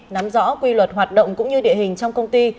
nắm rõ quy luật hoạt động cũng như địa hình trong công ty